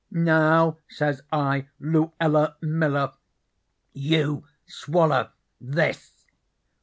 'Now,' says I, 'Luella Miller, 'YOU SWALLER THIS!'